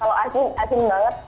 kalau asin asin banget